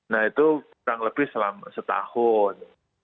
nah itu kurang lebih selama setahun